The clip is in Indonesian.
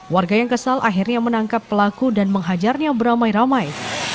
warga yang kesal akhirnya menangkap pelaku dan menghajarnya beramai ramai